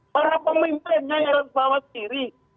para pemimpinnya yang bawah kiri